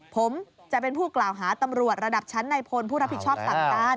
ผมจะเป็นผู้กล่าวหาตำรวจระดับชั้นในพลผู้รับผิดชอบสั่งการ